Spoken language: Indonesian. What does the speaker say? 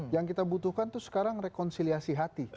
yang kita butuhkan itu sekarang rekonsiliasi hati